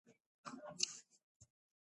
خوړل د آرام وخت جوړوي